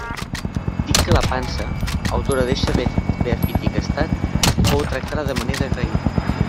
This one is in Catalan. Dic que la pansa, autora d'eixe beatífic estat, fou tractada de manera agraïda.